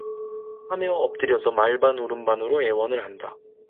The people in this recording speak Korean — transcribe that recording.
하며 엎드려서 말 반 울음 반으로 애원을 한다.